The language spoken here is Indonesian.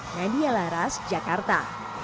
nadia laras jakarta